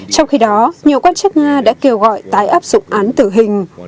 trong khi đó nhiều quan chức nga đã kêu gọi tái áp dụng án tử hình